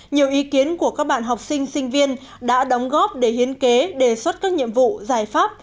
nhiều ý kiến của các bạn học sinh sinh viên đã đóng góp để hiến kế đề xuất các nhiệm vụ giải pháp